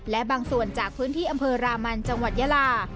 และบางส่วนจากพื้นที่อำเภอรามันจังหวัดยาลา